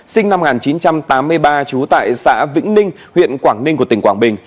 sinh năm một nghìn chín trăm tám mươi ba trú tại xã vĩnh ninh huyện quảng ninh của tỉnh quảng bình